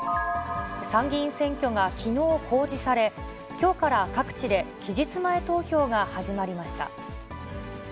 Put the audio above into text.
参議院選挙がきのう公示され、きょうから各地で期日前投票が始まりました。